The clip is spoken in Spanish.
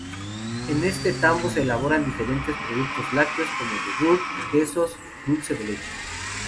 En este tambo se elaboran diferentes productos lácteos, como yogur, quesos, dulce de leche.